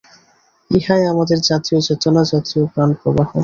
ইহাই আমাদের জাতীয় চেতনা, জাতীয় প্রাণপ্রবাহ।